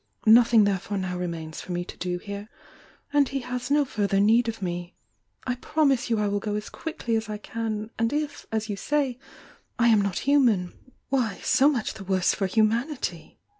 Nothing therefore now remains for me to do here, and he has no further need of me. I promise you I will go as quickly as I can! — and if, as you say, I am not human, why so much the worse for humanity!"